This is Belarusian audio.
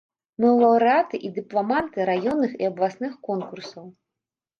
Мы лаўрэаты і дыпламанты раённых і абласных конкурсаў.